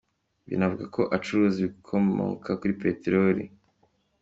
Binavugwa ko acuruza ibikomoka kuri Peteroli.